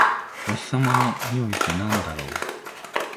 お日様のにおいってなんだろう？